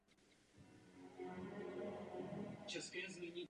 Dochovaná podoba je výsledkem barokní přestavby provedené po třicetileté válce.